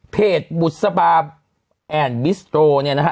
เพจบุษบาปบิสโตร์เนี่ยนะฮะ